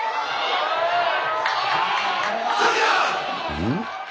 うん？